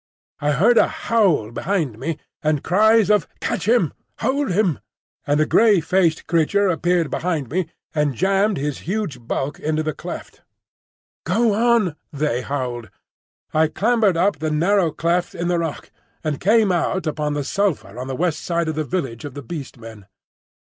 I heard a howl behind me, and cries of "Catch him!" "Hold him!" and the grey faced creature appeared behind me and jammed his huge bulk into the cleft. "Go on! go on!" they howled. I clambered up the narrow cleft in the rock and came out upon the sulphur on the westward side of the village of the Beast Men.